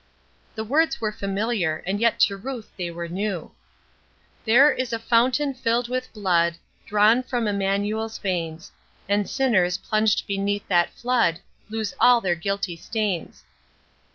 The words were familiar, and yet to Ruth they were new: "There is a fountain filled with blood, Drawn from Immanuel's veins, And sinners, plunged beneath that flood. Lose all their guilty stains."